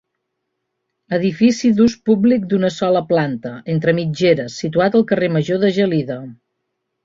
Edifici d'ús públic d'una sola planta, entre mitgeres, situat al carrer Major de Gelida.